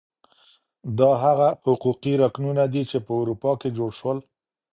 دا هغه حقوقي رکنونه دي چي په اروپا کي جوړ سول.